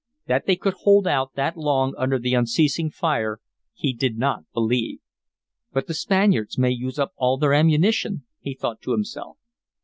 That they could hold out that long under the unceasing fire he did not believe. "But the Spaniards may use up all their ammunition," he thought to himself.